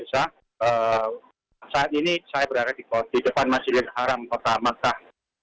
saat ini saya berada di depan masjidil haram kota makkah